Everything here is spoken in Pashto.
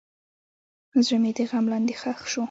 زړه مې د غم لاندې ښخ شو.